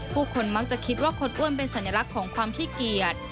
คนมักจะคิดว่าคนอ้วนเป็นสัญลักษณ์ของความขี้เกียจ